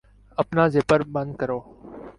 اپنا زپر بند کرو